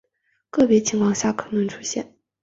个别情况下可能出现。